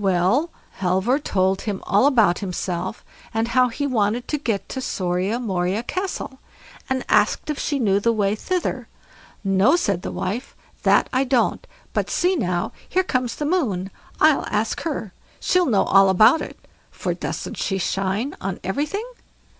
Well, Halvor told her all about himself, and how he wanted to get to SORIA MORIA CASTLE, and asked if she knew the way thither. "No", said the old wife, "that I don't, but see now, here comes the Moon, I'll ask her, she'll know all about it, for doesn't she shine on everything?"